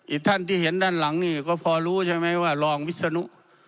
อีกท่านที่เห็นด้านหลังนี่ก็พอรู้ใช่ไหมว่ารองวิศนุ